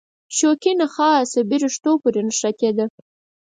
شوکي نخاع عصبي رشتو پورې نښتې ده.